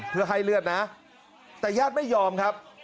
เพื่อให้เลือดนะแต่ญาติไม่ยอมครับ